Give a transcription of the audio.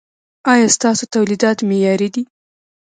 ایا ستاسو تولیدات معیاري دي؟